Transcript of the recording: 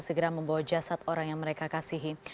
segera membawa jasad orang yang mereka kasihi